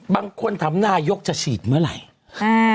บางคนถามนายกจะฉีดเมื่อไหร่